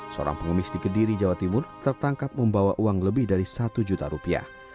seorang pengemis di kediri jawa timur tertangkap membawa uang lebih dari satu juta rupiah